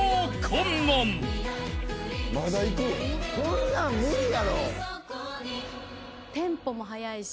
こんなん無理やろ。